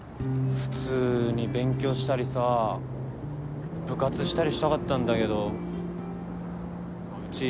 普通に勉強したりさ部活したりしたかったんだけどうちヤンキー一家だしさ